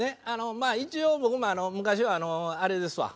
まあ一応僕も昔はあのあれですわ。